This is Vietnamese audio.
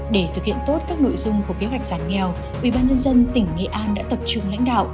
để thực hiện tốt các nội dung của kế hoạch giảm nghèo ubnd tỉnh nghệ an đã tập trung lãnh đạo